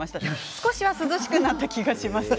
少しは涼しくなった気がします。